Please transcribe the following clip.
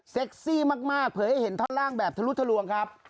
เซ็กซี่มากมากเผื่อให้เห็นท่อนล่างแบบทะลุ้ดทะลวงครับ